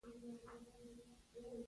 د شوکي نخاع له صدمې څخه مخنیوي وشي.